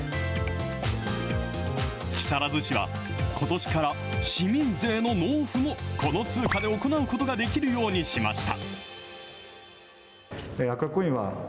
木更津市は、ことしから市民税の納付もこの通貨で行うことができるようにしました。